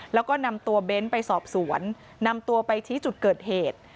แล้วก็นำตัวเบ้นไปสอบสวนนำตัวไปชี้จุดเกิดเหตุ